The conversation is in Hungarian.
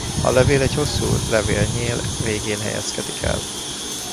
A levél egy hosszú levélnyél végén helyezkedik el.